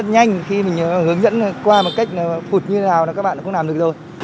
rất nhanh khi mình hướng dẫn qua một cách phụt như thế nào thì các bạn cũng làm được rồi